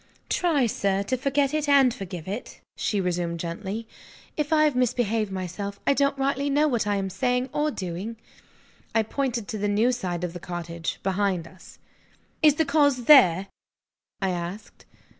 "Try, sir, to forget it and forgive it," she resumed gently, "if I have misbehaved myself. I don't rightly know what I am saying or doing." I pointed to the new side of the cottage, behind us. "Is the cause there?" I asked.